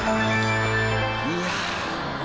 いや。